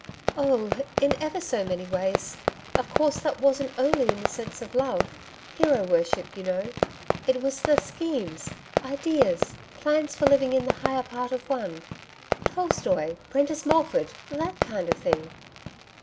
'Oh! in ever so many ways. Of course, that wasn't only in the sense of love hero worship, you know. It was the schemes, ideas, plans for living in the higher part of one. Tolstoy, Prentice Mulford that kind of thing....